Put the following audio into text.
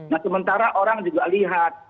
nah sementara orang juga lihat